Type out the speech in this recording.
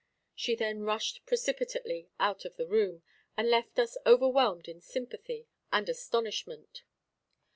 She then rushed precipitately out of the room, and left us overwhelmed in sympathy and astonishment.